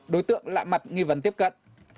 đối tượng lại mặt nghi vấn tiếp cận